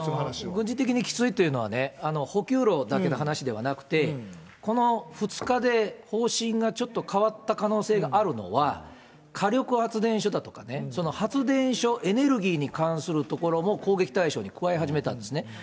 軍事的にきついというのは、補給路だけの話ではなくて、この２日で、方針がちょっと変わった可能性があるのは、火力発電所だとか、発電所、エネルギーに関する所も攻撃対象に加え始めたんですね。